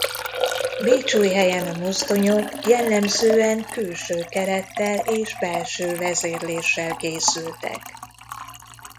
Bécsújhelyen a mozdonyok jellemzően külső kerettel és belső vezérléssel készültek.